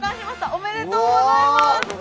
おめでとうございます！